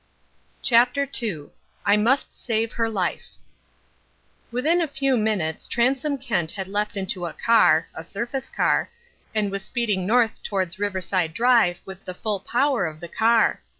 CHAPTER II I MUST SAVE HER LIFE Within a few minutes Transome Kent had leapt into a car (a surface car) and was speeding north towards Riverside Drive with the full power of the car.